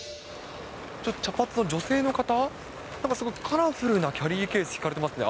茶髪の女性の方、なんかすごいカラフルなキャリーケース引かれてますね。